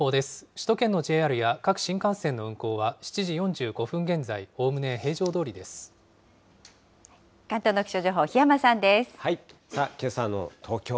首都圏のＪＲや各新幹線の運行は７時４５分現在、おおむね平常ど関東の気象情報、檜山さんでけさの東京。